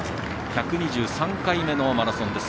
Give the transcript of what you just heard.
１２３回目のマラソンです。